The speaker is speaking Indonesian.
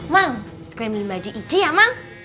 mang sekalian beli baju ice ya mang